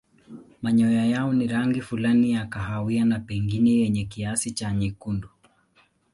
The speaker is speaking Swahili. Manyoya yao ni rangi fulani ya kahawia na pengine yenye kiasi cha nyekundu.